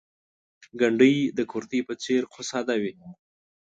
ګنډۍ د کورتۍ په څېر خو ساده وي.